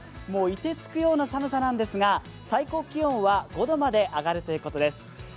もう凍てつくような寒さなんですが、最高気温は５度まで上がるということです。